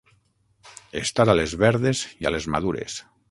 Estar a les verdes i a les madures.